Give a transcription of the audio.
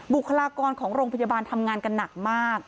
บุคลากรของโรงพยาบาลทำงานกันหนักมาก